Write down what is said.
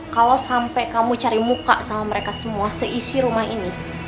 kalau sampai kamu cari muka sama mereka semua seisi rumah ini